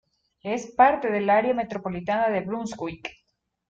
Es parte del área metropolitana de Brunswick.